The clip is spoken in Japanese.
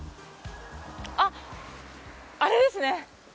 あっ、あれですね。